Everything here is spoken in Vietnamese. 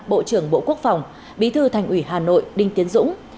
bộ trưởng bộ quốc phòng bí thư thành ủy hà nội đinh tiến dũng